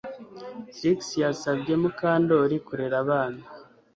Trix yasabye Mukandoli kurera abana